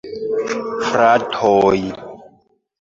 Fratoj!